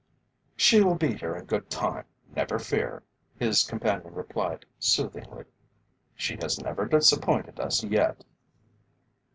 "She will be here in good time, never fear," his companion replied soothingly. "She has never disappointed us yet."